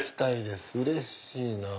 うれしいなぁ。